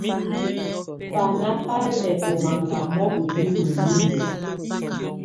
Banà bá lɛ̀ ɔ̀ maŋgamɔ ù mimǝ́ numǝ.